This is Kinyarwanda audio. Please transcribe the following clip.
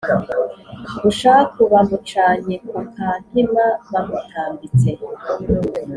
bushaku bamucanye ku ka nkima bamutambitse